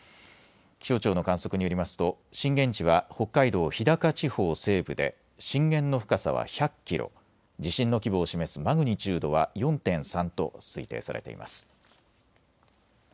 気象庁の観測によりますと震源地は北海道日高地方西部で震源の深さは１００キロ、地震の規模を示すマグニチュードは４．３と推定されています。